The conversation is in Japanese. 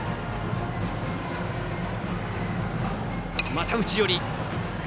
また内寄り。